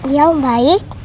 ya om baik